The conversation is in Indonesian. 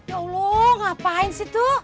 ya allah ngapain sih tuh